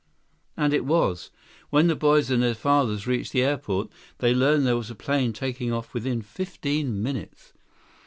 And it was. When the boys and their fathers reached the airport, they learned there was a plane taking off within fifteen minutes.